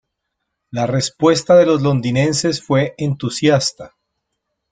La respuesta de los londinenses fue entusiasta.